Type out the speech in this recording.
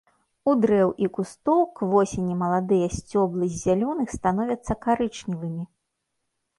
У дрэў і кустоў к восені маладыя сцёблы з зялёных становяцца карычневымі.